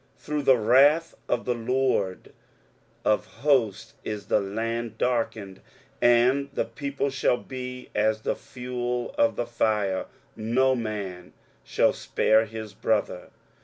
23:009:019 Through the wrath of the LORD of hosts is the land darkened, and the people shall be as the fuel of the fire: no man shall spare his brother.